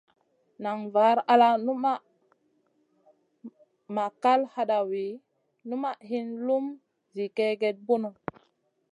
Nan var al numaʼ ma kal hadawi ki numaʼ hin lum zi kègèda bunu.